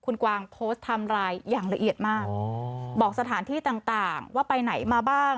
ไลน์อย่างละเอียดมากอ๋อบอกสถานที่ต่างต่างว่าไปไหนมาบ้าง